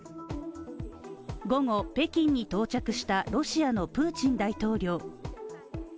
午後、北京に到着したロシアのプーチン大統領。